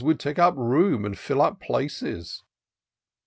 Would take up room, and fill up places."